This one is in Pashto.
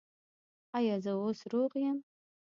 ایا زه اوس روغ یم؟